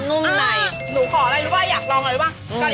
หนูขออะไรหรือเปล่าอยากลองอะไรหรือเปล่า